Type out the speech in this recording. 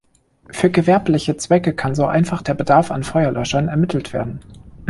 Für gewerbliche Zwecke kann so einfach der Bedarf an Feuerlöschern ermittelt werden.